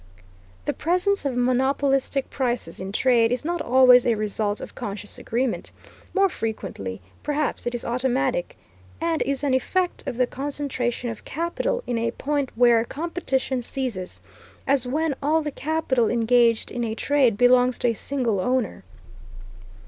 The presence of monopolistic prices in trade is not always a result of conscious agreement; more frequently, perhaps, it is automatic, and is an effect of the concentration of capital in a point where competition ceases, as when all the capital engaged in a trade belongs to a single owner.